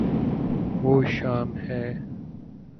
وہ شام ہے